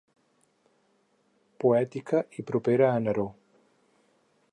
Poètica i propera a Neró.